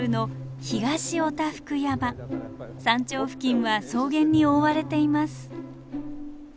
山頂付近は草原に覆われています。